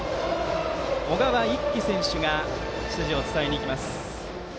小川一輝選手が指示を伝えに行きます。